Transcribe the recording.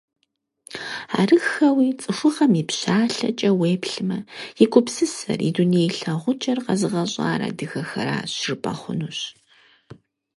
Арыххэуи, цӀыхугъэм и пщалъэкӀэ уеплъмэ, и гупсысэр, и дуней лъагъукӀэр къэзыгъэщӀар адыгэхэращ, жыпӀэ хъунущ.